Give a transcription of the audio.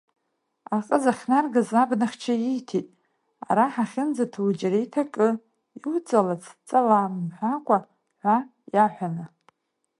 Аҟыз ахьнаргаз абанахьча ииҭеит, ара ҳахьынӡаҭоу џьара иҭакы, иуҵалац ҵала мҳәакәа хәа иаҳәаны.